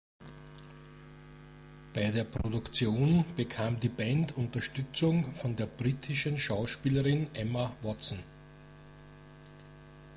Bei der Produktion bekam die Band Unterstützung von der britischen Schauspielerin Emma Watson.